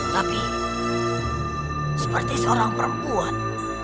tapi seperti seorang perempuan